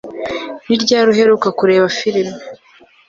Ni ryari uheruka kureba firime